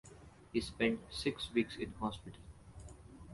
He spent six weeks in hospital.